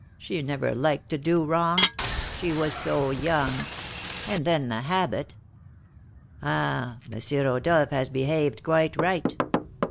she never liked to do wrong, she was so young! And then the habit! Ah, M. Rodolph has behaved quite right!"